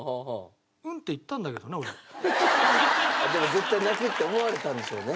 絶対泣くって思われたんでしょうね。